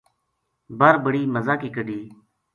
بر بڑی مزا کی کَڈی